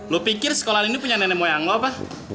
lo pikir sekolah ini punya nenek moyang lo apa